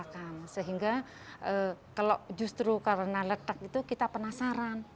kita rasakan sehingga kalau justru karena letek itu kita penasaran